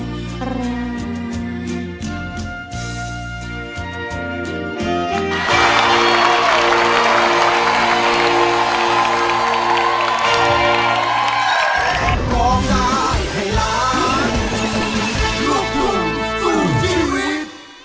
ข้าไปลองผ่านกล้องถ่ายหนังแม้ข้าเขินจังแต่ข้าไม่ทันดังแต่ข้าไม่ทันดัง